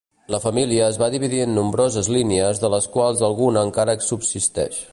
La família es va dividir en nombroses línies de les quals alguna encara subsisteix.